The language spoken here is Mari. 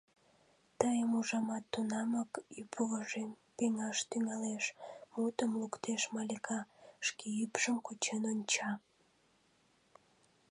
— Тыйым ужамат, тунамак ӱп вожем пеҥаш тӱҥалеш, — мутым луктеш Малика, шке ӱпшым кучен онча.